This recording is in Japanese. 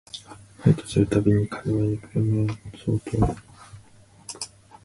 邂逅する毎に彼は車屋相当の気焔を吐く